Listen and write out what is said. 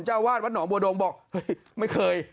เจ้าวาดวัดหนองบัวดงบอกเฮ้ยไม่เคย